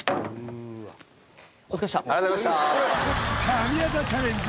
神業チャレンジ